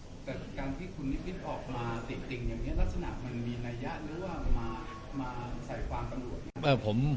แต่การที่คุณนิพิธิ์ออกมาจริงอย่างเงี้ยลักษณะมันมีนายะเลือกมาใส่ความกำลัง